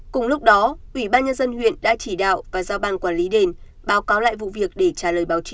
cùng lúc đó ủy ban nhân dân huyện đã chỉ đạo và giao ban quản lý đền báo cáo lại vụ việc để trả lời báo chí